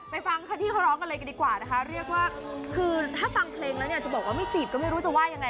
ถ้าฟังเพลงแล้วเนี่ยจะบอกจีบก็นไม่รู้จะว่าอย่างไร